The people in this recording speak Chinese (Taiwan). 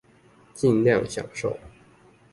儘量享受